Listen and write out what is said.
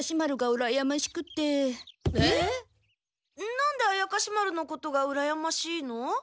なんで怪士丸のことがうらやましいの？